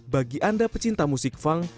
bagi anda pecinta musik funk